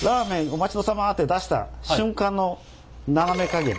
お待ち遠さまって出した瞬間の斜め加減。